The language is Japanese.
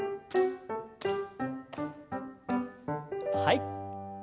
はい。